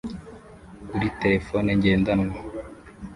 kuri terefone ngendanwa